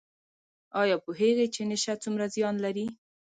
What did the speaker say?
ایا پوهیږئ چې نشه څومره زیان لري؟